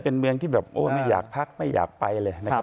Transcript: เป็นเมืองที่แบบโอ้ไม่อยากพักไม่อยากไปเลยนะครับ